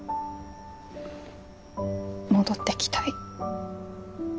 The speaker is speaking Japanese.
戻ってきたい。